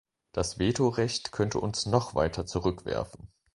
Das Vetorecht könnte uns noch weiter zurückwerfen.